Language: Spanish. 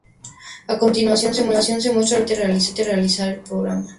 A continuación se muestra lo que permite realizar el programa.